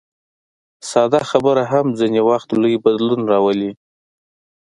ساده خبره هم ځینې وخت لوی بدلون راولي.